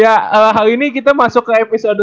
ya hal ini kita masuk ke episode sembilan puluh tujuh